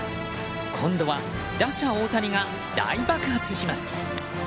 今度は打者・大谷が大爆発します。